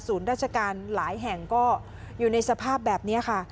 ราชการหลายแห่งก็อยู่ในสภาพแบบนี้ค่ะ